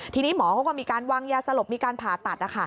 ทีนี้หมอเขาก็มีการวางยาสลบมีการผ่าตัด